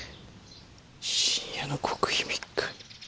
「深夜の極秘密会」。